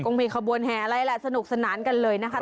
มีขบวนแห่อะไรแหละสนุกสนานกันเลยนะคะ